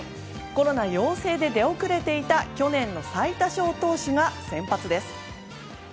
コロナ陽性で出遅れていた去年の最多勝利投手が先発です。